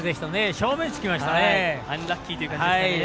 正面、つきましたね。